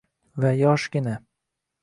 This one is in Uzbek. Va yoshgina